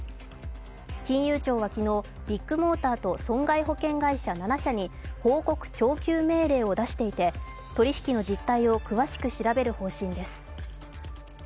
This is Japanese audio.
金融庁は昨日、ビッグモーターと損害保険会社７社に報告徴求命令を出していて取引の実態を詳しく調べる方針です。